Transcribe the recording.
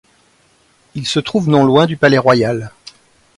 Il se trouve non loin du Palais royal.